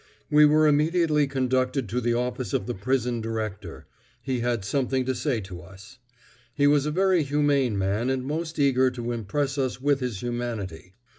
We were immediately conducted to the office of the prison director; he had something to say to us. He was a very humane man and most eager to impress us with his humanity.